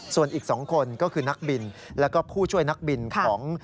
ส่วนอีก๒คนก็คือนักบินแล้วก็ผู้ช่วยนักบินของ